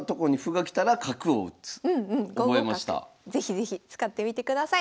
是非是非使ってみてください。